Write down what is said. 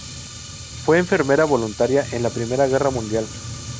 Fue enfermera voluntaria en la I Guerra Mundial.